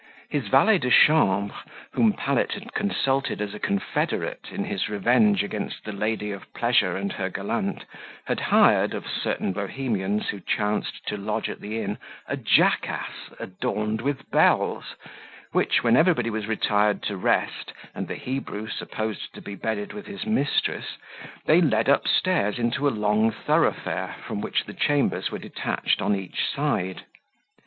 His valet de chambre, whom Pallet had consulted as a confederate in his revenge against the lady of pleasure and her gallant, had hired of certain Bohemians, who chanced to lodge at the inn, a jackass adorned with bells, which, when everybody was retired to rest, and the Hebrew supposed to be bedded with his mistress, they led upstairs into a long thoroughfare, from which the chambers were detached on each side.